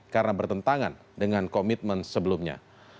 karena bertentangan dengan komitmen sebelumnya